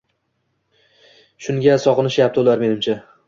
Shunga sog‘inishyapti ular, menimcha.